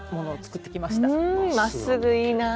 まっすぐいいなぁ。